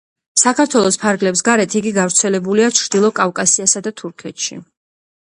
საქართველოს ფარგლებს გარეთ იგი გავრცელებულია ჩრდილო კავკასიასა და თურქეთში.